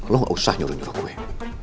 lo gak usah nyuruh nyuruh aku